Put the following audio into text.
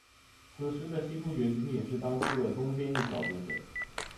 此时的西突厥仅仅是当初的东边一小部分。